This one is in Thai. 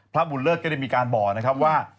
พระบุญเลิศก็ได้มีการบอกนะครับว่า